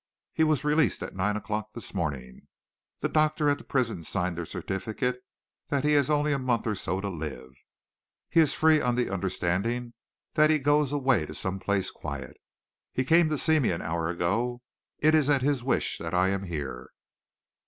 "He was released at nine o'clock this morning. The doctor at the prison signed a certificate that he has only a month or so to live. He is free on the understanding that he goes away to some quiet place. He came to me an hour ago. It is at his wish that I am here."